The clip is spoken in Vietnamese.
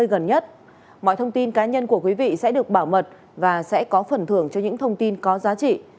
gần nhất mọi thông tin cá nhân của quý vị sẽ được bảo mật và sẽ có phần thưởng cho những thông tin có giá trị